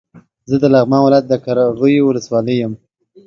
زه د لغمان ولايت د قرغيو ولسوالۍ يم